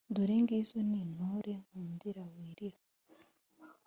dore ngizo n’intore, nkundira wirira